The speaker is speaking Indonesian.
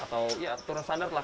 atau ya turun standar lah